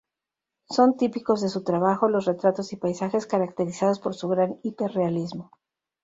Son típicos de su trabajo los retratos y paisajes caracterizados por su gran hiperrealismo.